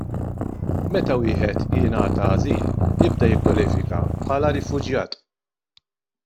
Meta wieħed jingħata ażil, jibda jikkwalifika bħala rifuġjat.